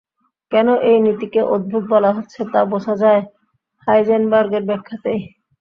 কেন এই নীতিকে অদ্ভুত বলা হচ্ছে, তা বোঝা যায় হাইজেনবার্গের ব্যাখ্যাতেই।